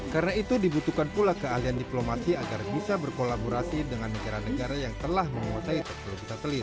karena itu dibutuhkan pula keahlian diplomasi agar bisa berkolaborasi dengan negara negara yang telah menguasai teknologi satelit